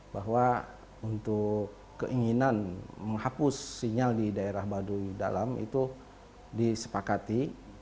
bahwa untuk keinginan menghapus sinyal di daerah baduy dalam itu disepakati